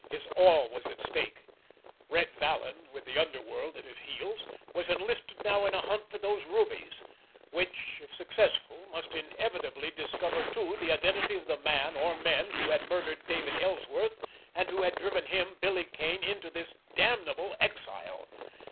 His all was at stake—Red Vallon, with the underworld at his heels, was enlisted now in a hunt for those rubies, which, if successful, must inevitably discover too the identity of the man, or men, who had murdered David Ellsworth, and who had driven him, Billy Kane, into this damnable exile!